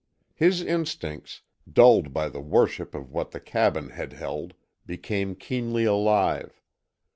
His instincts, dulled by the worship of what the cabin had held, became keenly alive.